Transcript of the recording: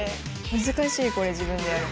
難しいこれ自分でやるの。